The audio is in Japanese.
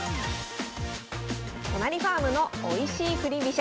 都成ファームのおいしい振り飛車。